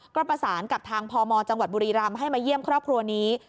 ก็ประสานกับทางพมจังหวัดบุรีรำให้มาเยี่ยมครอบครัวนี้